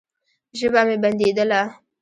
ژبه مې بنديدله.